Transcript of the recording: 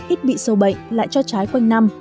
ít bị sâu bệnh lại cho trái quanh năm